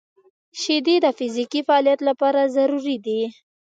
• شیدې د فزیکي فعالیت لپاره ضروري دي.